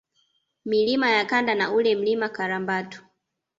Milima ya Kanda na ule Mlima Karambatu